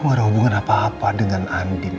gak ada hubungan apa apa dengan andin